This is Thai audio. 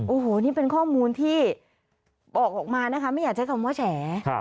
โอ้โหนี่เป็นข้อมูลที่บอกออกมานะคะไม่อยากใช้คำว่าแฉ